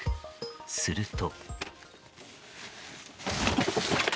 すると。